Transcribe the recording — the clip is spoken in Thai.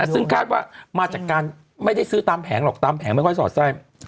ซึ่งคาดว่ามาจากการไม่ได้ซื้อตามแผงหรอกตามแผงไม่ค่อยสอดไส้